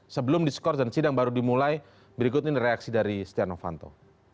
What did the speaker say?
sebelum diskor dan sidang baru dimulai berikut ini reaksi dari stiano fanto